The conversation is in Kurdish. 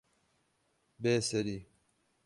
Bê Serî